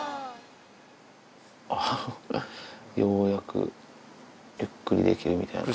あっようやくゆっくりできるみたいな。